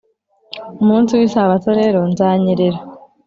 umunsi w'isabato rero nzanyerera,